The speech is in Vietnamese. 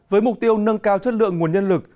với mục tiêu nâng cao chất lượng nguồn nhân lực